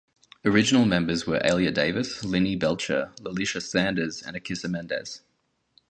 Original members were Alia Davis, Linnie Belcher, Lalisha Sanders and Akissa Mendez.